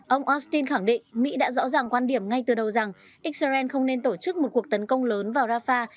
ông austin khẳng định mỹ đã rõ ràng quan điểm ngay từ đầu rằng israel không nên tổ chức một cuộc tấn công lớn vào rafah